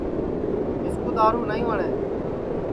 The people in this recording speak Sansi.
مِسکُو دؔارُو نائی وٹؔے